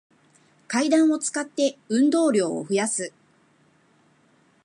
階段を使って、運動量を増やす